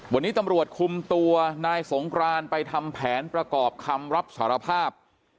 วันนี้ตำรวจคุมตัวนายสงกรานไปทำแผนประกอบคำรับสารภาพ